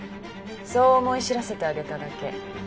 そう思い知らせてあげただけ。